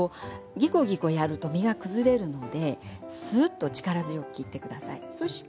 ギコギコやると身が崩れるのですっと力強く切ってください。